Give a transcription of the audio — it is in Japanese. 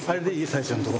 最初のとこ。